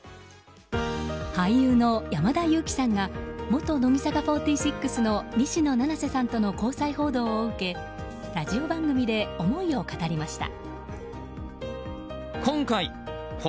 俳優の山田裕貴さんが元乃木坂４６の西野七瀬さんとの交際報道を受け、ラジオ番組で思いを語りました。